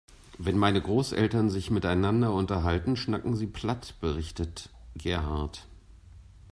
Wenn meine Großeltern sich miteinander unterhalten, schnacken sie platt, berichtet Gerhard.